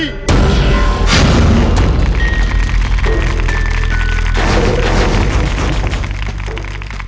มูไนท์